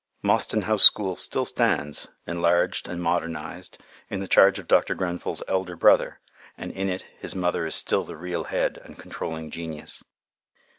Mostyn House School still stands, enlarged and modernized, in the charge of Dr. Grenfell's elder brother, and in it his mother is still the real head and controlling genius.